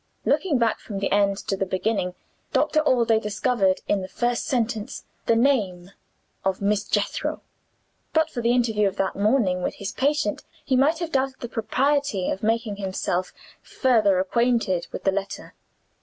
Looking back from the end to the beginning, Doctor Allday discovered, in the first sentence, the name of Miss Jethro. But for the interview of that morning with his patient he might have doubted the propriety of making himself further acquainted with the letter.